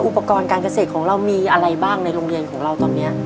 อุปกรณ์การเกษตรของเรามีอะไรบ้างในโรงเรียนของเราตอนนี้